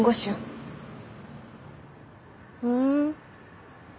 ふん。